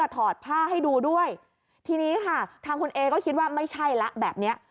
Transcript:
ทีนี้ค่ะทางคุณเอก็คิดว่าไม่ใช่แล้วแบบนี้